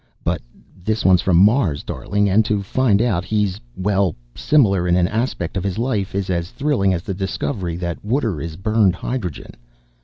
"But this one's from Mars, darling, and to find out he's well, similar in an aspect of his life is as thrilling as the discovery that water is burned hydrogen.